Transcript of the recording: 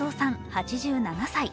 ８７歳。